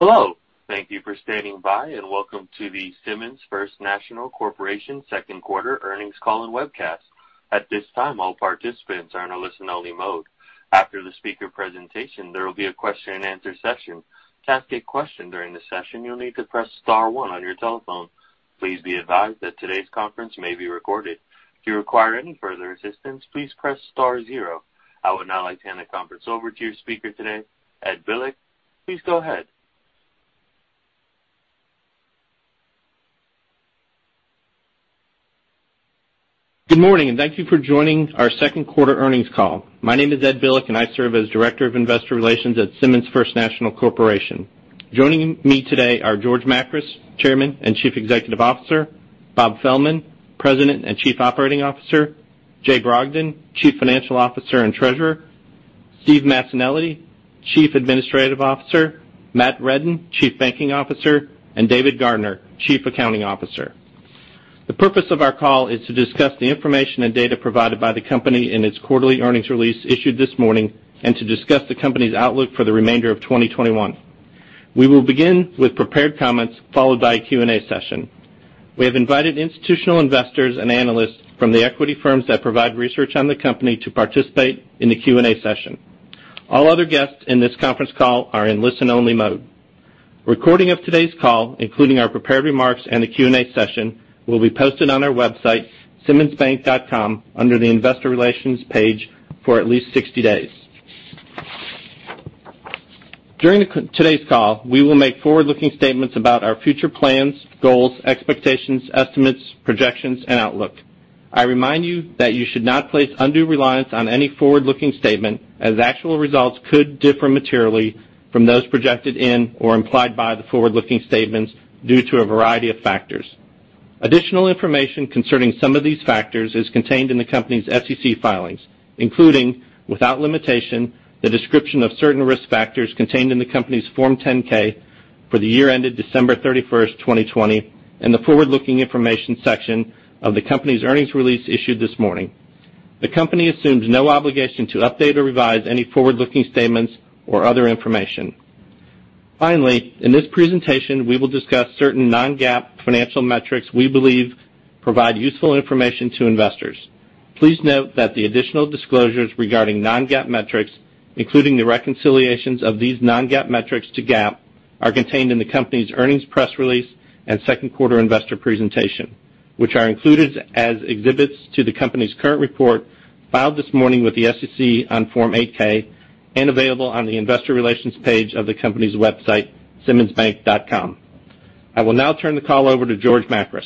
Hello. Thank you for standing by, and welcome to the Simmons First National Corporation Second Quarter Earnings Call and Webcast. At this time, all participants are in a listen only mode. After the speaker presentation, there will be a question and answer session. To ask a question during the session, you'll need to press star one on your telephone. Please be advised that today's conference may be recorded. If you require any further assistance, please press star zero. I would now like to hand the conference over to your speaker today, Ed Bilek. Please go ahead. Good morning, and thank you for joining our second quarter earnings call. My name is Ed Bilek, and I serve as Director of Investor Relations at Simmons First National Corporation. Joining me today are George Makris, Chairman and Chief Executive Officer, Bob Fehlman, President and Chief Operating Officer, Jay Brogdon, Chief Financial Officer and Treasurer, Steve Massanelli, Chief Administrative Officer, Matt Reddin, Chief Banking Officer, and David Garner, Chief Accounting Officer. The purpose of our call is to discuss the information and data provided by the company in its quarterly earnings release issued this morning and to discuss the company's outlook for the remainder of 2021. We will begin with prepared comments, followed by a Q&A session. We have invited institutional investors and analysts from the equity firms that provide research on the company to participate in the Q&A session. All other guests in this conference call are in listen only mode. Recording of today's call, including our prepared remarks and the Q&A session, will be posted on our website, simmonsbank.com, under the Investor Relations page for at least 60 days. During today's call, we will make forward-looking statements about our future plans, goals, expectations, estimates, projections, and outlook. I remind you that you should not place undue reliance on any forward-looking statement as actual results could differ materially from those projected in or implied by the forward-looking statements due to a variety of factors. Additional information concerning some of these factors is contained in the company's SEC filings, including, without limitation, the description of certain risk factors contained in the company's Form 10-K for the year ended December 31st, 2020, and the forward-looking information section of the company's earnings release issued this morning. The company assumes no obligation to update or revise any forward-looking statements or other information. Finally, in this presentation, we will discuss certain non-GAAP financial metrics we believe provide useful information to investors. Please note that the additional disclosures regarding non-GAAP metrics, including the reconciliations of these non-GAAP metrics to GAAP, are contained in the company's earnings press release and second quarter investor presentation, which are included as exhibits to the company's current report filed this morning with the SEC on Form 8-K and available on the Investor Relations page of the company's website, simmonsbank.com. I will now turn the call over to George Makris.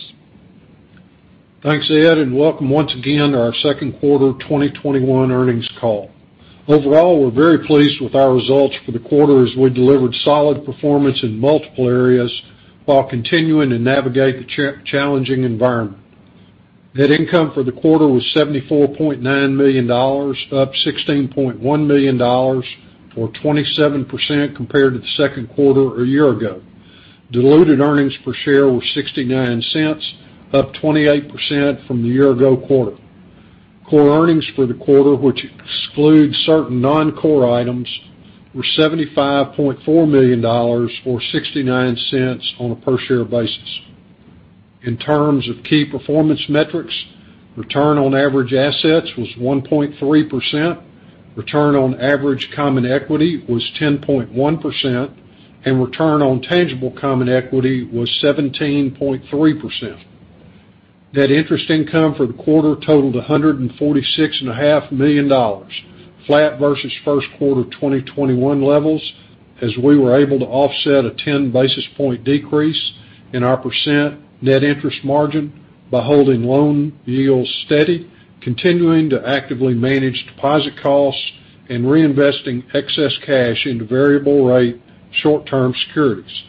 Thanks, Ed, and welcome once again to our second quarter 2021 earnings call. We're very pleased with our results for the quarter as we delivered solid performance in multiple areas while continuing to navigate the challenging environment. Net income for the quarter was $74.9 million, up $16.1 million or 27% compared to the second quarter a year ago. Diluted earnings per share were $0.69, up 28% from the year ago quarter. Core earnings for the quarter, which excludes certain non-core items, were $75.4 million or $0.69 on a per share basis. In terms of key performance metrics, return on average assets was 1.3%, return on average common equity was 10.1%, and return on tangible common equity was 17.3%. Net interest income for the quarter totaled $146.5 million, flat versus first quarter 2021 levels as we were able to offset a 10 basis point decrease in our percent net interest margin by holding loan yields steady, continuing to actively manage deposit costs, and reinvesting excess cash into variable rate short-term securities.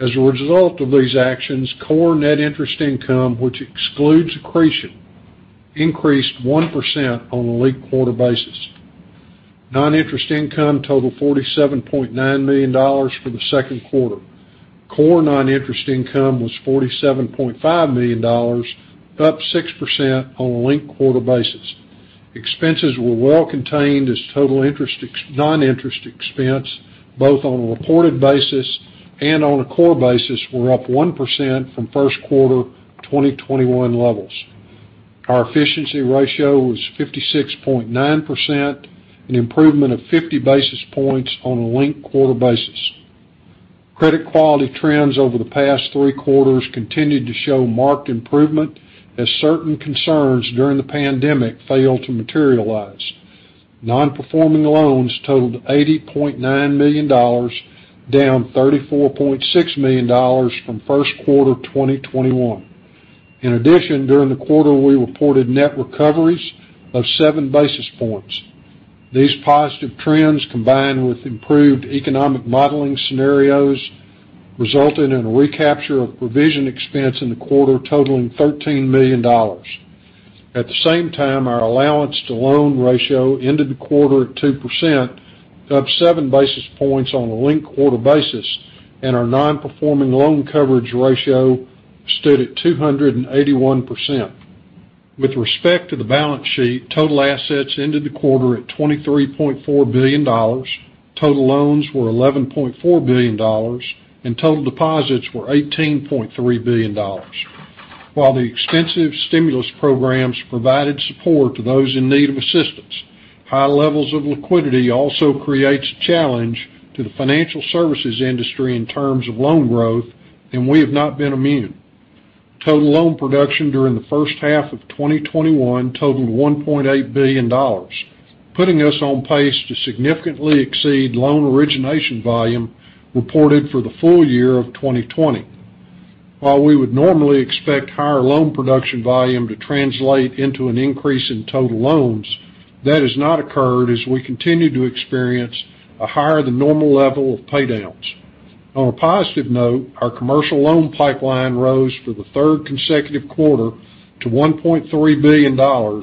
As a result of these actions, core net interest income, which excludes accretion, increased 1% on a linked-quarter basis. Non-interest income totaled $47.9 million for the second quarter. Core non-interest income was $47.5 million, up 6% on a linked-quarter basis. Expenses were well contained as total non-interest expense, both on a reported basis and on a core basis, were up 1% from first quarter 2021 levels. Our efficiency ratio was 56.9%, an improvement of 50 basis points on a linked-quarter basis. Credit quality trends over the past three quarters continued to show marked improvement as certain concerns during the pandemic failed to materialize. Non-performing loans totaled $80.9 million, down $34.6 million from first quarter 2021. In addition, during the quarter, we reported net recoveries of seven basis points. These positive trends, combined with improved economic modeling scenarios, resulted in a recapture of provision expense in the quarter totaling $13 million. At the same time, our allowance to loan ratio ended the quarter at 2%, up seven basis points on a linked-quarter basis, and our non-performing loan coverage ratio stood at 281%. With respect to the balance sheet, total assets ended the quarter at $23.4 billion. Total loans were $11.4 billion, and total deposits were $18.3 billion. While the extensive stimulus programs provided support to those in need of assistance, high levels of liquidity also creates a challenge to the financial services industry in terms of loan growth, and we have not been immune. Total loan production during the first half of 2021 totaled $1.8 billion, putting us on pace to significantly exceed loan origination volume reported for the full year of 2020. While we would normally expect higher loan production volume to translate into an increase in total loans, that has not occurred as we continue to experience a higher-than-normal level of paydowns. On a positive note, our commercial loan pipeline rose for the third consecutive quarter to $1.3 billion,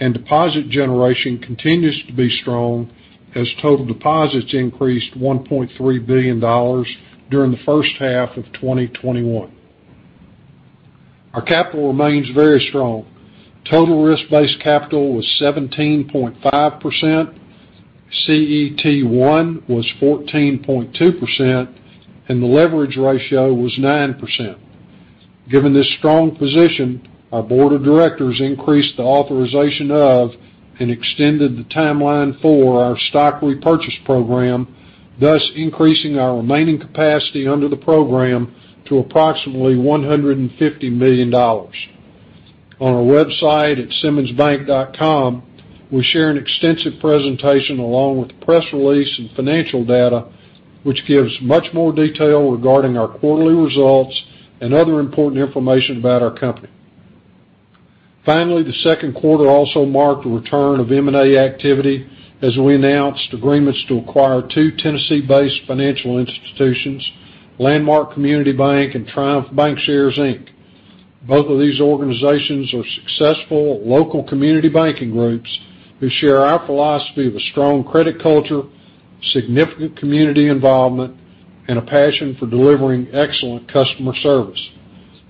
and deposit generation continues to be strong as total deposits increased $1.3 billion during the first half of 2021. Our capital remains very strong. Total risk-based capital was 17.5%, CET1 was 14.2%, and the leverage ratio was 9%. Given this strong position, our Board of Directors increased the authorization of and extended the timeline for our stock repurchase program, thus increasing our remaining capacity under the program to approximately $150 million. On our website at simmonsbank.com, we share an extensive presentation along with the press release and financial data, which gives much more detail regarding our quarterly results and other important information about our company. Finally, the second quarter also marked the return of M&A activity as we announced agreements to acquire two Tennessee-based financial institutions, Landmark Community Bank and Triumph Bancshares, Inc. Both of these organizations are successful local community banking groups who share our philosophy of a strong credit culture, significant community involvement, and a passion for delivering excellent customer service.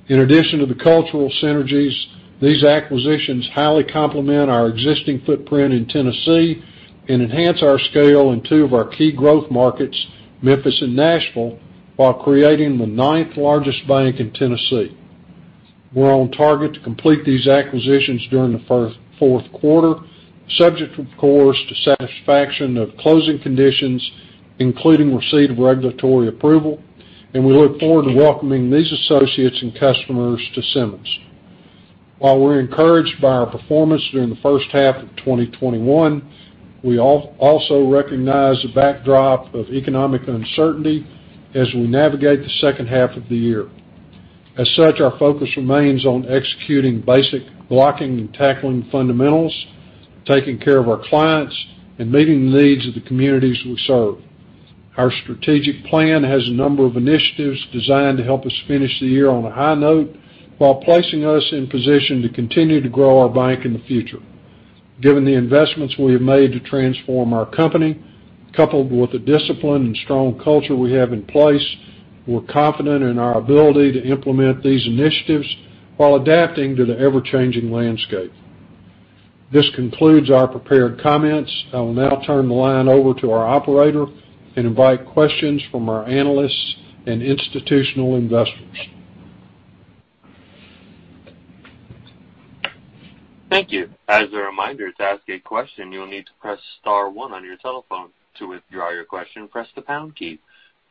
In addition to the cultural synergies, these acquisitions highly complement our existing footprint in Tennessee and enhance our scale in two of our key growth markets, Memphis and Nashville, while creating the ninth-largest bank in Tennessee. We're on target to complete these acquisitions during the fourth quarter, subject, of course, to satisfaction of closing conditions, including receipt of regulatory approval, and we look forward to welcoming these associates and customers to Simmons. While we're encouraged by our performance during the first half of 2021, we also recognize the backdrop of economic uncertainty as we navigate the second half of the year. As such, our focus remains on executing basic blocking and tackling fundamentals, taking care of our clients, and meeting the needs of the communities we serve. Our strategic plan has a number of initiatives designed to help us finish the year on a high note while placing us in position to continue to grow our bank in the future. Given the investments we have made to transform our company, coupled with the discipline and strong culture we have in place, we're confident in our ability to implement these initiatives while adapting to the ever-changing landscape. This concludes our prepared comments. I will now turn the line over to our operator and invite questions from our analysts and institutional investors. Thank you. As a reminder, to ask a question, you will need to press star one on your telephone. To withdraw your question, press the pund key.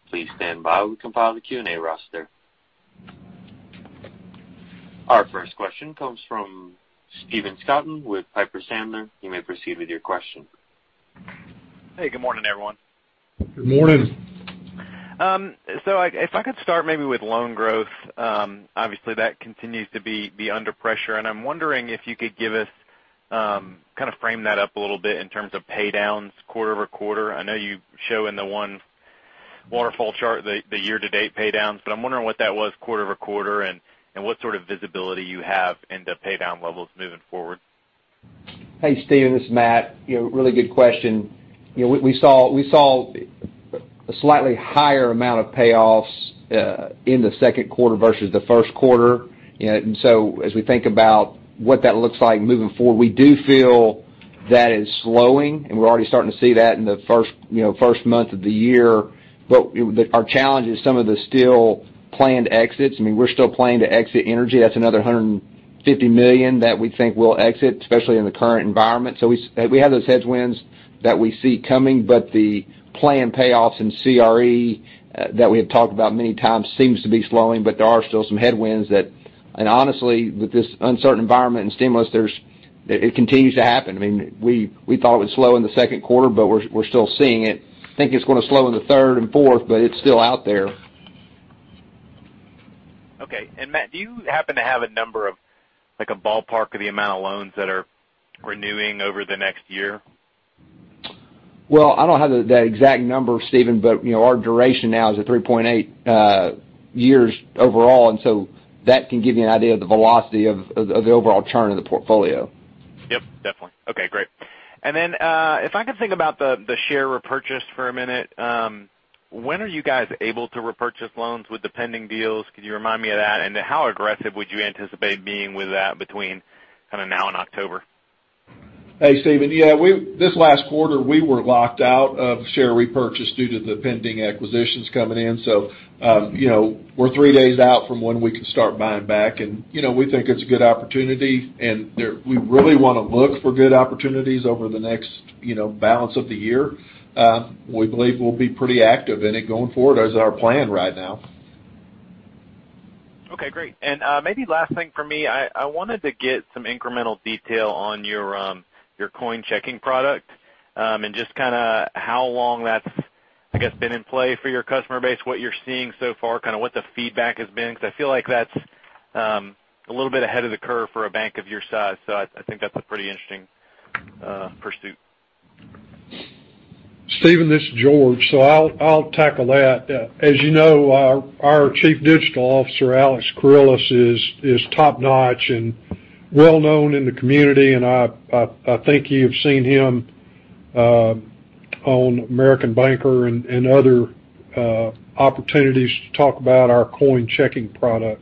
Please stand by while we compile the Q&A roster. Our first question comes from Stephen Scouten with Piper Sandler. You may proceed with your question. Hey, good morning, everyone. Good morning. If I could start maybe with loan growth. Obviously, that continues to be under pressure, and I'm wondering if you could kind of frame that up a little bit in terms of paydowns quarter-over-quarter. I know you show in the one waterfall chart the year-to-date paydowns, but I'm wondering what that was quarter-over-quarter and what sort of visibility you have in the paydown levels moving forward. Hey, Stephen. This is Matt. Really good question. We saw a slightly higher amount of payoffs in the second quarter versus the first quarter. As we think about what that looks like moving forward, we do feel that is slowing, and we're already starting to see that in the first month of the year. Our challenge is some of the still planned exits. We're still planning to exit energy. That's another $150 million that we think we'll exit, especially in the current environment. We have those headwinds that we see coming, but the planned payoffs in CRE that we have talked about many times seems to be slowing, but there are still some headwinds. Honestly, with this uncertain environment and stimulus, it continues to happen. We thought it would slow in the second quarter, but we're still seeing it. I think it's going to slow in the third and fourth, but it's still out there. Okay. Matt, do you happen to have a number of a ballpark of the amount of loans that are renewing over the next year? Well, I don't have that exact number, Stephen, but our duration now is at 3.8 years overall, and so that can give you an idea of the velocity of the overall churn of the portfolio. Yep, definitely. Okay, great. If I could think about the share repurchase for a minute, when are you guys able to repurchase loans with the pending deals? Could you remind me of that? How aggressive would you anticipate being with that between kind of now and October? Hey, Stephen. Yeah, this last quarter, we were locked out of share repurchase due to the pending acquisitions coming in. We're three days out from when we can start buying back and we think it's a good opportunity, and we really want to look for good opportunities over the next balance of the year. We believe we'll be pretty active in it going forward. That is our plan right now. Okay, great. Maybe last thing for me, I wanted to get some incremental detail on your Coin Checking product, and just kind of how long that's, I guess, been in play for your customer base, what you're seeing so far, kind of what the feedback has been, because I feel like that's a little bit ahead of the curve for a bank of your size, so I think that's a pretty interesting pursuit. Stephen, this is George, so I'll tackle that. As you know, our Chief Digital Officer, Alex Carriles, is top-notch and well-known in the community, and I think you've seen him on American Banker and other opportunities to talk about our Coin Checking product.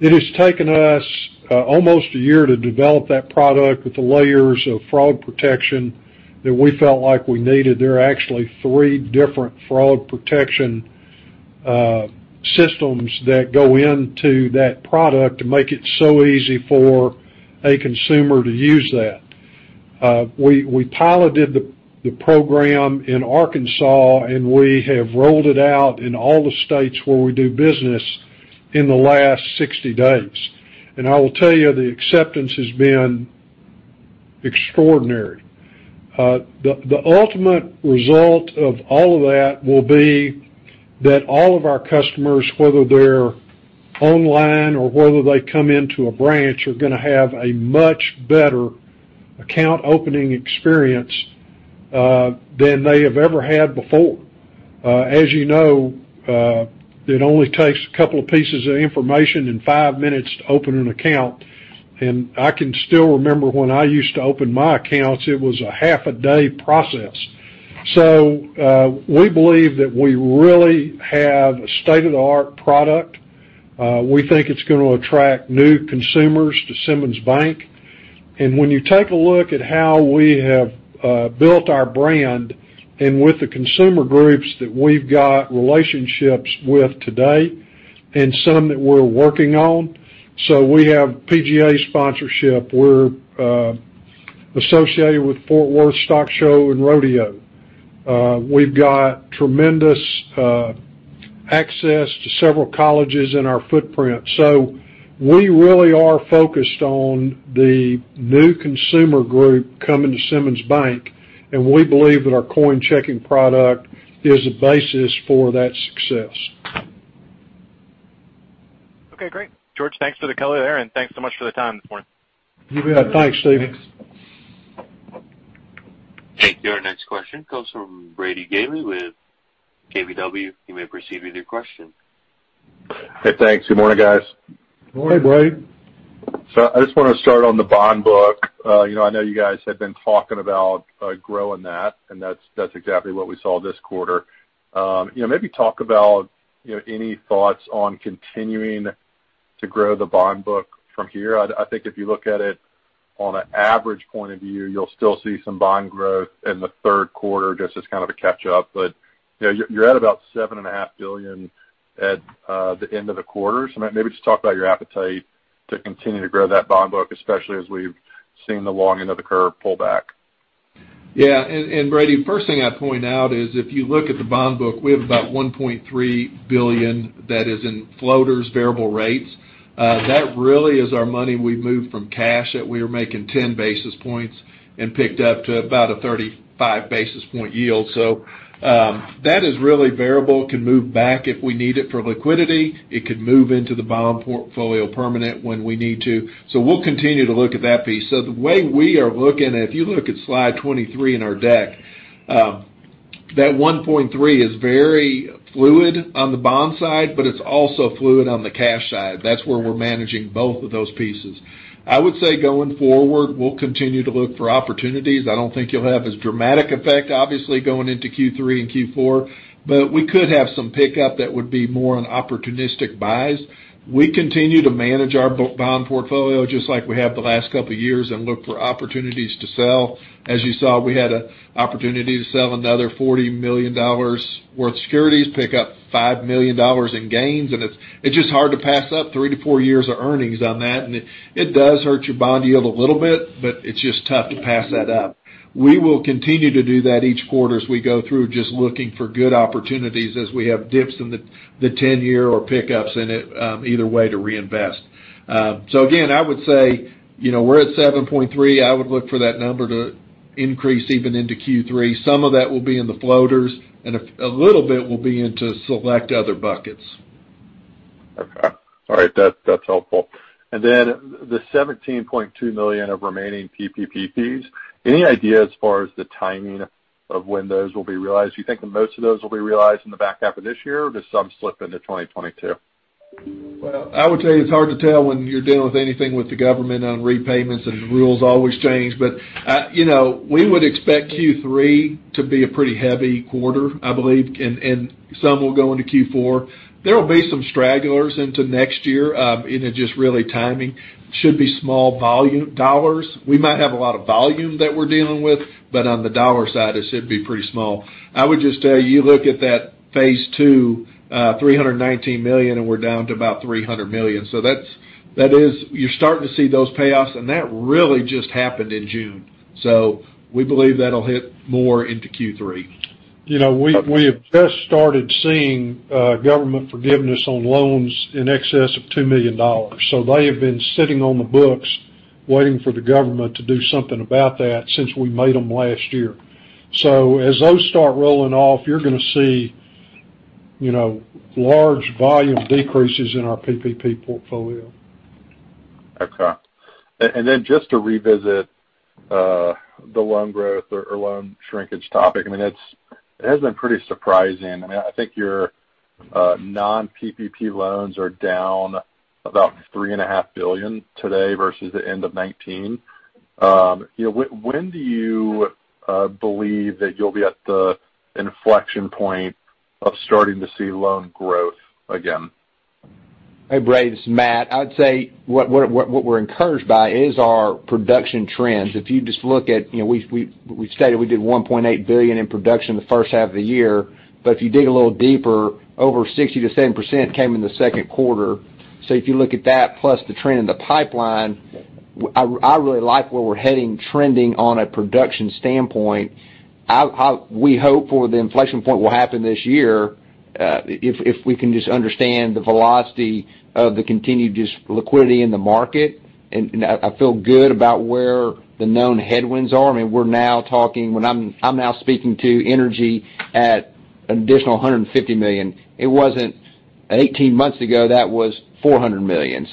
It has taken us almost a year to develop that product with the layers of fraud protection that we felt like we needed. There are actually three different fraud protection systems that go into that product to make it so easy for a consumer to use that. We piloted the program in Arkansas, and we have rolled it out in all the states where we do business in the last 60 days. I will tell you, the acceptance has been extraordinary. The ultimate result of all of that will be that all of our customers, whether they're online or whether they come into a branch, are going to have a much better account opening experience, than they have ever had before. As you know, it only takes a couple of pieces of information and five minutes to open an account. I can still remember when I used to open my accounts, it was a half-a-day process. We believe that we really have a state-of-the-art product. We think it's going to attract new consumers to Simmons Bank. When you take a look at how we have built our brand and with the consumer groups that we've got relationships with today, and some that we're working on. We have PGA sponsorship, we're associated with Fort Worth Stock Show & Rodeo. We've got tremendous access to several colleges in our footprint. We really are focused on the new consumer group coming to Simmons Bank, and we believe that our Coin Checking product is a basis for that success. Okay, great. George, thanks for the color there, and thanks so much for the time this morning. You bet. Thanks, Stephen. Thank you. Our next question comes from Brady Gailey with KBW. You may proceed with your question. Hey, thanks. Good morning, guys. Morning, Brady. I just want to start on the bond book. I know you guys had been talking about growing that, and that's exactly what we saw this quarter. Maybe talk about any thoughts on continuing to grow the bond book from here. I think if you look at it on an average point of view, you'll still see some bond growth in the third quarter just as kind of a catch up. You're at about $7.5 billion at the end of the quarter. Maybe just talk about your appetite to continue to grow that bond book, especially as we've seen the long end of the curve pull back. Yeah. Brady, first thing I'd point out is, if you look at the bond book, we have about $1.3 billion that is in floaters, variable rates. That really is our money we moved from cash that we were making 10 basis points and picked up to about a 35 basis point yield. That is really variable. It can move back if we need it for liquidity. It could move into the bond portfolio permanent when we need to. We'll continue to look at that piece. The way we are looking at it, if you look at slide 23 in our deck, that $1.3 is very fluid on the bond side, but it's also fluid on the cash side. That's where we're managing both of those pieces. I would say going forward, we'll continue to look for opportunities. I don't think you'll have as dramatic effect, obviously, going into Q3 and Q4, but we could have some pickup that would be more on opportunistic buys. We continue to manage our bond portfolio just like we have the last couple of years and look for opportunities to sell. As you saw, we had an opportunity to sell another $40 million worth of securities, pick up $5 million in gains, and it's just hard to pass up three to four years of earnings on that. It does hurt your bond yield a little bit, but it's just tough to pass that up. We will continue to do that each quarter as we go through, just looking for good opportunities as we have dips in the 10-year or pickups in it, either way, to reinvest. Again, I would say, we're at 7.3. I would look for that number to increase even into Q3. Some of that will be in the floaters and a little bit will be into select other buckets. Okay. All right. That's helpful. The $17.2 million of remaining PPP fees, any idea as far as the timing of when those will be realized? Do you think that most of those will be realized in the back half of this year, or do some slip into 2022? Well, I would tell you it's hard to tell when you're dealing with anything with the government on repayments, and the rules always change. We would expect Q3 to be a pretty heavy quarter, I believe. Some will go into Q4. There will be some stragglers into next year. Just really timing. Should be small volume dollars. We might have a lot of volume that we're dealing with. On the dollar side, it should be pretty small. I would just tell you, look at that phase two, $319 million, and we're down to about $300 million. You're starting to see those payoffs, and that really just happened in June. We believe that'll hit more into Q3. We have just started seeing government forgiveness on loans in excess of $2 million. They have been sitting on the books waiting for the government to do something about that since we made them last year. As those start rolling off, you're going to see large volume decreases in our PPP portfolio. Okay. Just to revisit the loan growth or loan shrinkage topic. It has been pretty surprising. I think your non-PPP loans are down about $3.5 billion today versus the end of 2019. When do you believe that you'll be at the inflection point of starting to see loan growth again? Hey, Brady, this is Matt. I'd say what we're encouraged by is our production trends. If you just look at, we stated we did $1.8 billion in production in the first half of the year. If you dig a little deeper, over 60%-70% came in the second quarter. If you look at that plus the trend in the pipeline, I really like where we're heading trending on a production standpoint. We hope for the inflection point will happen this year, if we can just understand the velocity of the continued liquidity in the market. I feel good about where the known headwinds are. I mean, we're now talking, when I'm now speaking to energy at an additional $150 million. It wasn't 18 months ago, that was $400 million.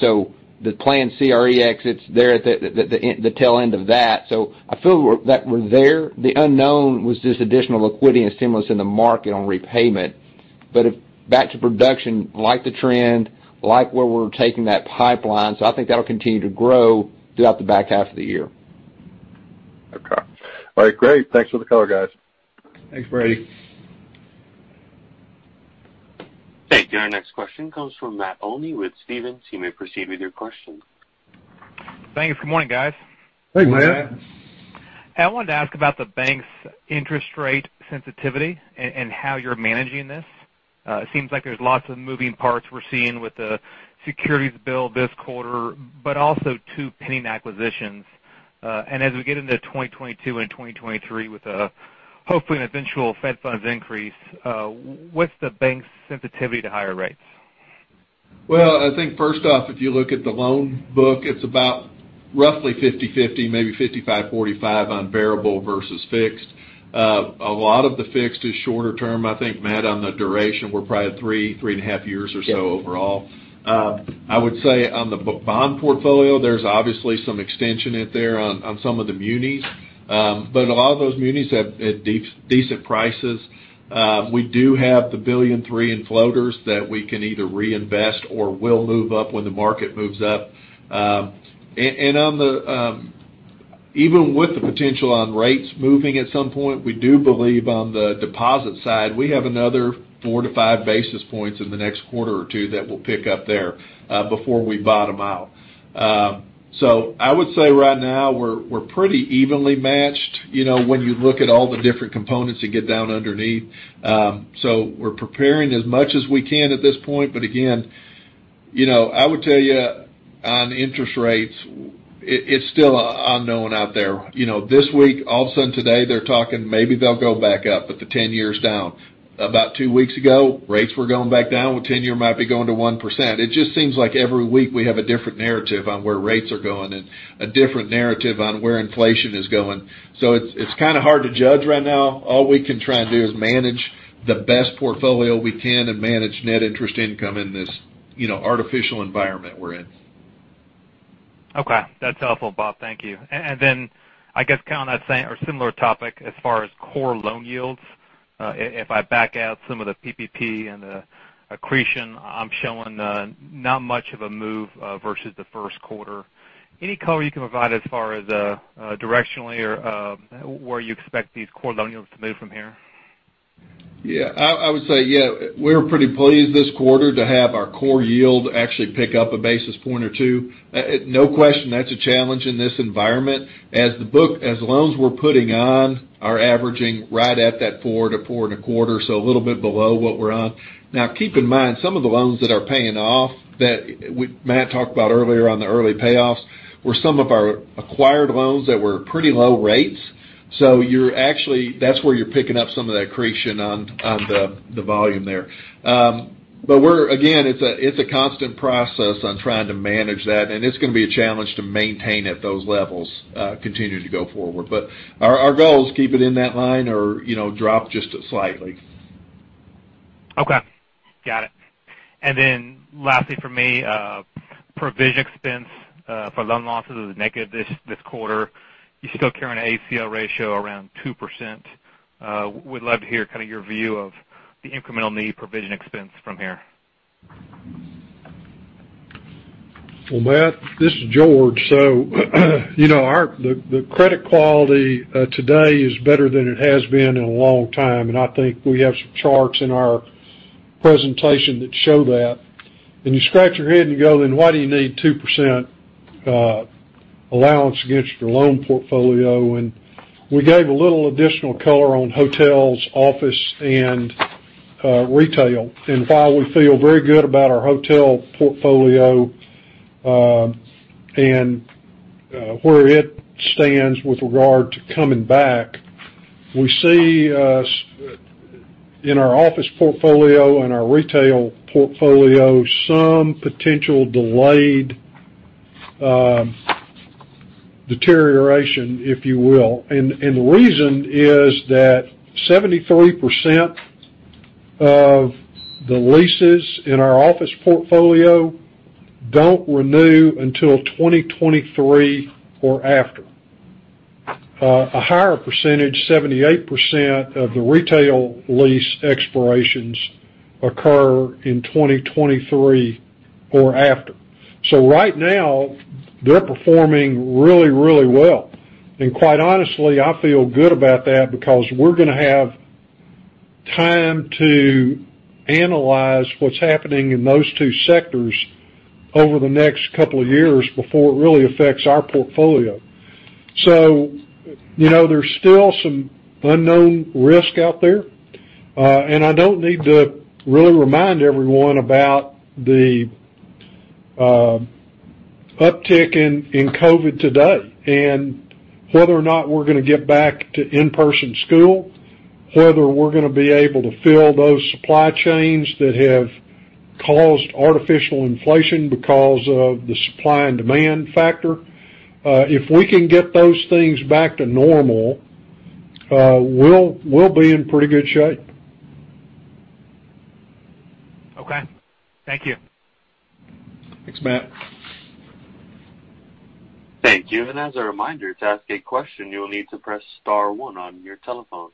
The planned CRE exits there at the tail end of that. I feel that we're there. The unknown was just additional liquidity and stimulus in the market on repayment. Back to production, like the trend, like where we're taking that pipeline. I think that'll continue to grow throughout the back half of the year. Okay. All right, great. Thanks for the color, guys. Thanks, Brady. Thank you. Our next question comes from Matt Olney with Stephens. You may proceed with your question. Thanks. Good morning, guys. Hey, Matt. Hey, Matt. I wanted to ask about the bank's interest rate sensitivity and how you're managing this. It seems like there's lots of moving parts we're seeing with the securities book this quarter, but also two pending acquisitions. As we get into 2022 and 2023 with, hopefully, an eventual Fed funds increase, what's the bank's sensitivity to higher rates? Well, I think first off, if you look at the loan book, it's about roughly 50/50, maybe 55/45 on variable versus fixed. A lot of the fixed is shorter term, I think, Matt, on the duration. We're probably at three and a half years or so overall. I would say on the bond portfolio, there's obviously some extension in there on some of the munis. A lot of those munis have decent prices. We do have the $1 billion and three in floaters that we can either reinvest or will move up when the market moves up. Even with the potential on rates moving at some point, we do believe on the deposit side, we have another four to five basis points in the next quarter or two that we'll pick up there, before we bottom out. I would say right now, we're pretty evenly matched, when you look at all the different components and get down underneath. We're preparing as much as we can at this point, but again, I would tell you on interest rates, it's still unknown out there. This week, all of a sudden today, they're talking, maybe they'll go back up, but the 10-year is down. About two weeks ago, rates were going back down with 10-year might be going to 1%. It just seems like every week we have a different narrative on where rates are going and a different narrative on where inflation is going. It's kind of hard to judge right now. All we can try and do is manage the best portfolio we can and manage net interest income in this artificial environment we're in. Okay. That's helpful, Bob. Thank you. Then I guess kind of on that same or similar topic as far as core loan yields. If I back out some of the PPP and the accretion, I'm showing not much of a move versus the first quarter. Any color you can provide as far as directionally or where you expect these core loan yields to move from here? I would say, yeah, we're pretty pleased this quarter to have our core yield actually pick up one or two basis points. No question, that's a challenge in this environment. Loans we're putting on are averaging right at that 4%-4.25%, so a little bit below what we're on. Keep in mind, some of the loans that are paying off that Matt talked about earlier on the early payoffs, were some of our acquired loans that were pretty low rates. That's where you're picking up some of that accretion on the volume there. Again, it's a constant process on trying to manage that, and it's going to be a challenge to maintain at those levels, continuing to go forward. Our goal is keep it in that line or drop just slightly. Okay. Got it. Lastly from me. Provision expense for loan losses was negative this quarter. You still carry an ACL ratio around 2%. Would love to hear your view of the incremental need provision expense from here. Matt, this is George. The credit quality today is better than it has been in a long time, and I think we have some charts in our presentation that show that. You scratch your head and you go, "Why do you need 2% allowance against your loan portfolio?" We gave a little additional color on hotels, office, and retail, and why we feel very good about our hotel portfolio, and where it stands with regard to coming back. We see, in our office portfolio and our retail portfolio, some potential delayed deterioration, if you will. The reason is that 73% of the leases in our office portfolio don't renew until 2023 or after. A higher percentage, 78%, of the retail lease expirations occur in 2023 or after. Right now, they're performing really, really well. Quite honestly, I feel good about that because we're going to have time to analyze what's happening in those two sectors over the next couple of years before it really affects our portfolio. There's still some unknown risk out there. I don't need to really remind everyone about the uptick in COVID today, and whether or not we're going to get back to in-person school, whether we're going to be able to fill those supply chains that have caused artificial inflation because of the supply and demand factor. If we can get those things back to normal, we'll be in pretty good shape. Okay. Thank you. Thanks, Matt. Thank you. As a reminder, to ask a question, you will need to press star one on your telephone.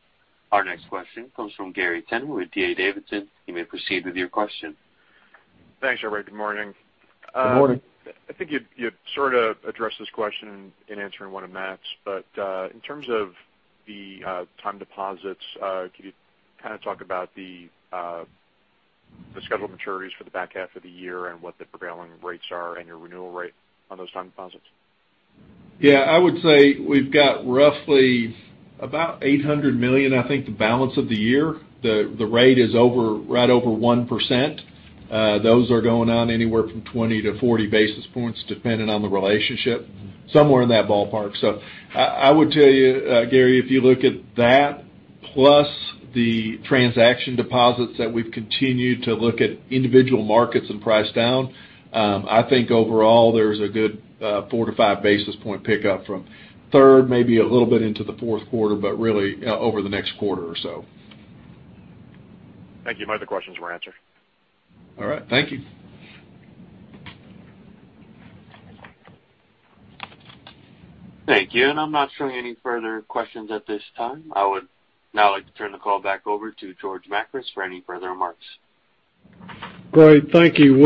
Our next question comes from Gary Tenner with D.A. Davidson. You may proceed with your question. Thanks, everybody. Good morning. Good morning. I think you sort of addressed this question in answering one of Matt's, but in terms of the time deposits, could you kind of talk about the scheduled maturities for the back half of the year and what the prevailing rates are, and your renewal rate on those time deposits? Yeah, I would say we've got roughly about $800 million, I think, the balance of the year. The rate is right over 1%. Those are going on anywhere from 20-40 basis points, depending on the relationship, somewhere in that ballpark. I would tell you, Gary, if you look at that, plus the transaction deposits that we've continued to look at individual markets and price down, I think overall there's a good four to five basis point pickup from third, maybe a little bit into the fourth quarter, but really over the next quarter or so. Thank you. My other questions were answered. All right. Thank you. Thank you. I'm not showing any further questions at this time. I would now like to turn the call back over to George Makris for any further remarks. Great. Thank you.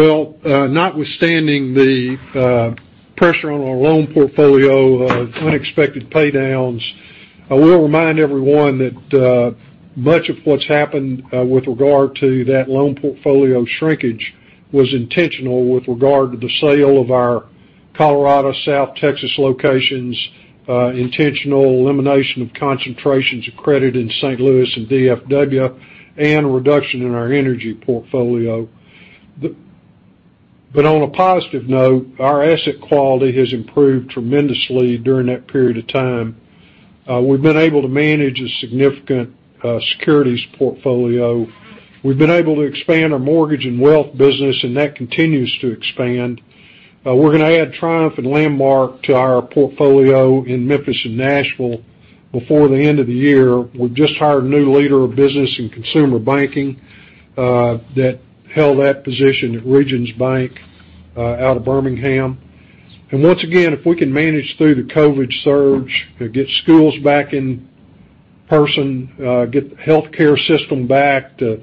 Notwithstanding the pressure on our loan portfolio, unexpected paydowns, I will remind everyone that much of what's happened with regard to that loan portfolio shrinkage was intentional with regard to the sale of our Colorado, South Texas locations, intentional elimination of concentrations of credit in St. Louis and DFW, and a reduction in our energy portfolio. On a positive note, our credit quality has improved tremendously during that period of time. We've been able to manage a significant securities portfolio. We've been able to expand our mortgage and wealth business, and that continues to expand. We're going to add Triumph and Landmark to our portfolio in Memphis and Nashville before the end of the year. We've just hired a new leader of business and consumer banking that held that position at Regions Bank out of Birmingham. Once again, if we can manage through the COVID surge and get schools back in person, get the healthcare system back to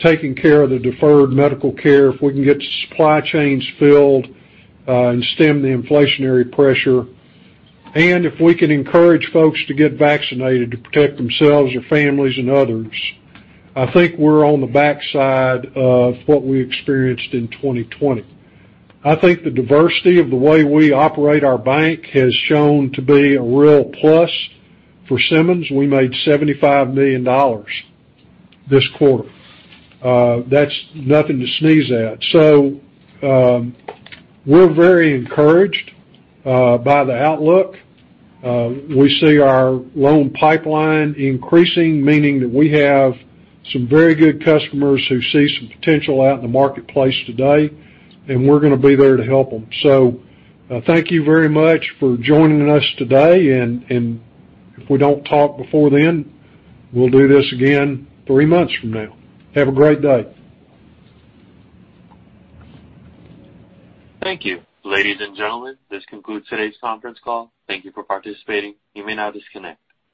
taking care of the deferred medical care, if we can get the supply chains filled and stem the inflationary pressure, if we can encourage folks to get vaccinated to protect themselves, their families and others, I think we're on the backside of what we experienced in 2020. I think the diversity of the way we operate our bank has shown to be a real plus for Simmons. We made $75 million this quarter. That's nothing to sneeze at. We're very encouraged by the outlook. We see our loan pipeline increasing, meaning that we have some very good customers who see some potential out in the marketplace today, we're going to be there to help them. Thank you very much for joining us today, and if we don't talk before then, we'll do this again three months from now. Have a great day. Thank you. Ladies and gentlemen, this concludes today's conference call. Thank you for participating. You may now disconnect.